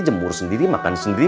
jemur sendiri makan sendiri